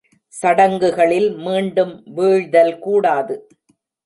சடங்குகளில் மீண்டும் வீழ்தல் கூடாது.